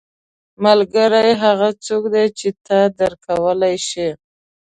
• ملګری هغه څوک دی چې تا درک کولی شي.